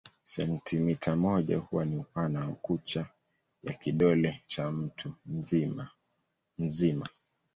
Sentimita moja huwa ni upana wa kucha ya kidole cha mtu mzima.